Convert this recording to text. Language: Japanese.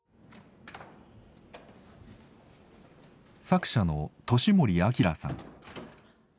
作者の年森瑛さん。